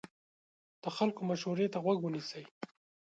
د خلکو مشورې ته غوږ ونیسئ.